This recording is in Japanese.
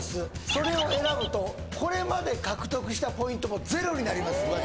それを選ぶとこれまで獲得したポイントもゼロになりますうわ